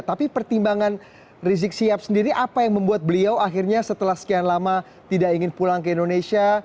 tapi pertimbangan rizik sihab sendiri apa yang membuat beliau akhirnya setelah sekian lama tidak ingin pulang ke indonesia